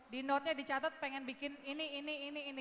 di note nya dicatat pengen bikin ini ini ini ini